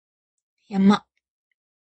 山